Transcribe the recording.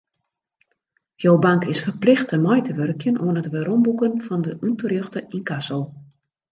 Jo bank is ferplichte mei te wurkjen oan it weromboeken fan de ûnterjochte ynkasso.